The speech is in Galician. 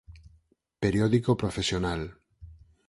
Periódico profesional.